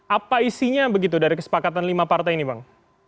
apa isinya begitu dari kesepakatan lima partai ini bang